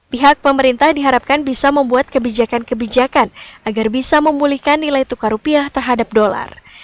pihak pemerintah diharapkan bisa membuat kebijakan kebijakan agar bisa memulihkan nilai tukar rupiah terhadap dolar